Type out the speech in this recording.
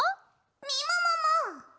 みももも！